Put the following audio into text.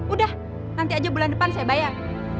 udah nanti aja bulan depan saya bayar